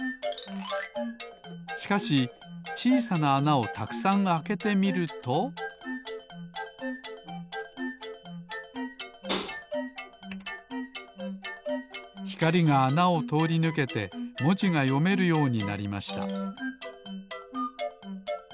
しかしちいさなあなをたくさんあけてみるとひかりがあなをとおりぬけてもじがよめるようになりました